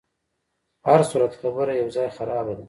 په هرصورت خبره یو ځای خرابه ده.